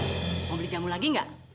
eh mau beli jamu lagi gak